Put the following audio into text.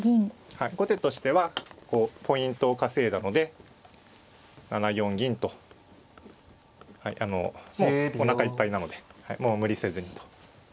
はい後手としてはポイントを稼いだので７四銀とはいあのもうおなかいっぱいなのでもう無理せずにと。